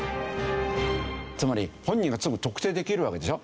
つまり本人がすぐ特定できるわけでしょ？